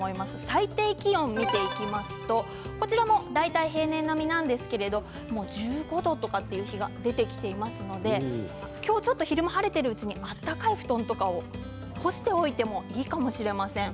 最低気温を見ていきますとこちらも大体平年並みなんですが１５度という日も出てきていますので今日はちょっと昼間晴れているうちに暖かい布団を干しておいてもいいかもしれません。